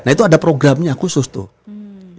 nah itu ada programnya khusus tuh